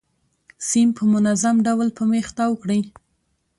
سیم په منظم ډول په میخ تاو کړئ.